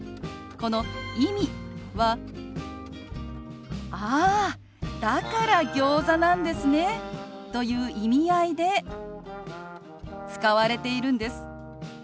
この「意味」は「あーだからギョーザなんですね」という意味合いで使われているんです。